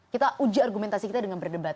kita uji argumentasi kita dengan berdebat